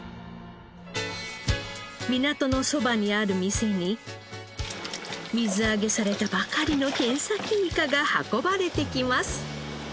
港のそばにある店に水揚げされたばかりのケンサキイカが運ばれてきます。